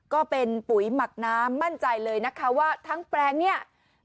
ก็เป็นปุ๋ยหมักน้ำมั่นใจเลยนะคะว่าทั้งแปลงเนี่ย